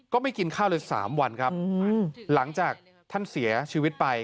ไม่กินข้าวเลย๓วันครับหลังจากท่านเสียชีวิตไป